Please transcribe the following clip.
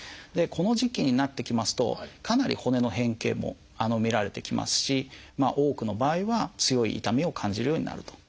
この時期になってきますとかなり骨の変形も見られてきますし多くの場合は強い痛みを感じるようになると。